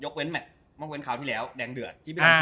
แควนคราวที่แล้วแดงเดือด